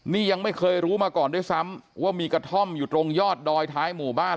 นี่ยังไม่เคยรู้มาก่อนด้วยซ้ำว่ามีกระท่อมอยู่ตรงยอดดอยท้ายหมู่บ้าน